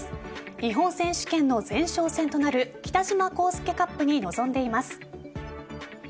日本選手権の前哨戦となる北島康介カップに臨んでいます。